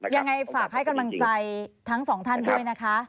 ยังไงฝากให้กำลังใจทั้งสองท่านด้วยนะคะ